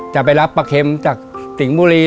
จะไปรับปะเข็มจากติ่งบุรี